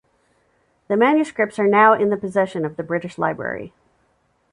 The manuscripts are now in the possession of the British Library.